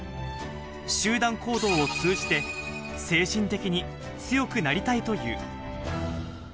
集団行動を通じて精神的に強くなりたいという。